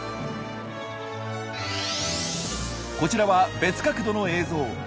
こちらは別角度の映像。